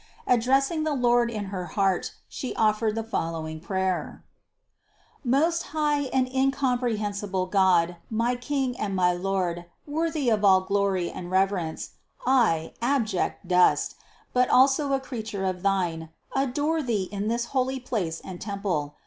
Addressing the Lord in her heart, She offered the following prayer : 349. "Most high and incomprehensible God, my King and my Lord, worthy of all glory and reverence, I, ab ject dust, but also a creature of thine, adore Thee in this thy holy place and temple.